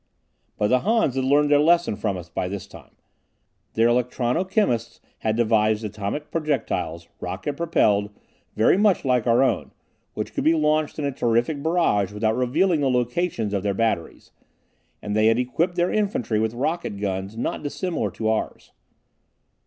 But the Hans had learned their lesson from us by this time. Their electrono chemists had devised atomic projectiles, rocket propelled, very much like our own, which could be launched in a terrific barrage without revealing the locations of their batteries, and they had equipped their infantry with rocket guns not dissimilar to ours.